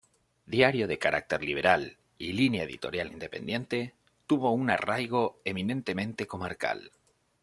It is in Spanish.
Diario de carácter liberal y línea editorial independiente, tuvo un arraigo eminentemente comarcal.